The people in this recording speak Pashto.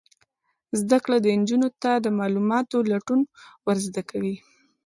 زده کړه نجونو ته د معلوماتو لټون ور زده کوي.